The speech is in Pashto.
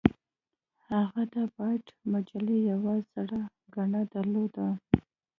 هغه د بایټ مجلې یوه زړه ګڼه درلوده